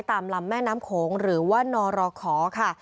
ตามลำแม่น้ำโขงหรือว่านรขอค่ะ